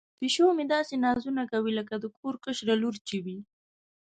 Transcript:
پیشو مې داسې نازونه کوي لکه د کور کشره لور چې وي.